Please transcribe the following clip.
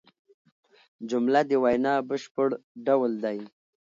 جمله د وینا بشپړ ډول دئ.